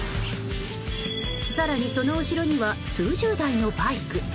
更に、その後ろには数十台のバイク。